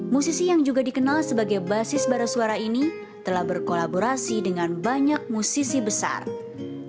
musisi yang juga dikenal sebagai basis bara suara ini telah berkolaborasi dengan banyak musisi besar